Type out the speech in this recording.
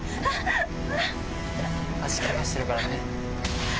足ケガしてるからね。